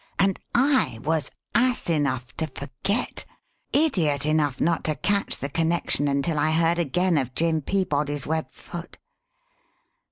And I was ass enough to forget, idiot enough not to catch the connection until I heard again of Jim Peabody's web foot!